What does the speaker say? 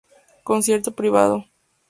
Concierto privado"".